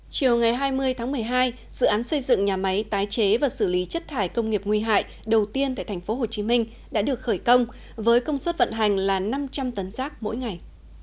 chiều ngày hai mươi tháng một mươi hai dự án xây dựng nhà máy tái chế và xử lý chất thải công nghiệp nguy hại đầu tiên tại tp hcm đã được khởi công với công suất vận hành là năm trăm linh tấn rác mỗi ngày